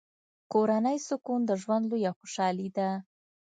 کورنی سکون د ژوند لویه خوشحالي ده.